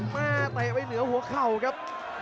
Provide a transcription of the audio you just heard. เตะไปเหนือหัวเข่าครับ